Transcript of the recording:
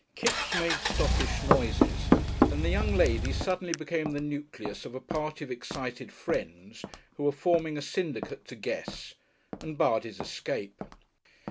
Kipps made stockish noises, and the young lady suddenly became the nucleus of a party of excited friends who were forming a syndicate to guess, and barred his escape.